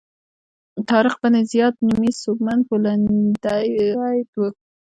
طارق بن زیاد نومي سوبمن بولندوی و.